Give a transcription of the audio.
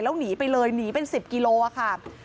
แล้วหนีไปเลยหนีเป็น๑๐กิโลค่ะ